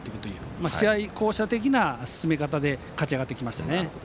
巧者的な進め方で勝ち上がってきましたよね。